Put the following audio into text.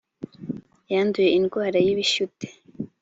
yanduye indwara y’ibishyute